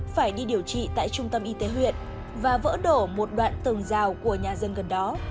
phải đi điều trị tại trung tâm y tế huyện và vỡ đổ một đoạn tường rào của nhà dân gần đó